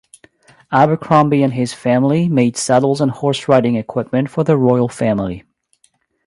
Abercromby and his family made saddles and horseriding equipment for the royal family.